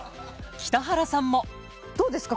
北原さんもどうですか？